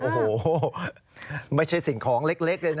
โอ้โหไม่ใช่สิ่งของเล็กเลยนะ